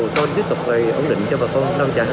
con tiếp tục ổn định cho bà con